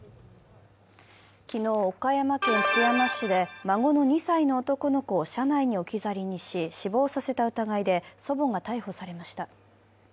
昨日、岡山県津山市で孫の２歳の男の子を車内に置き去りにし、死亡させた疑いで祖母が逮捕されました。